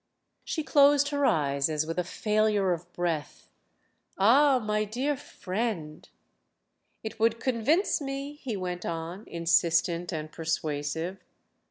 '" She closed her eyes as with a failure of breath. "Ah my dear friend—!" "It would convince me," he went on, insistent and persuasive.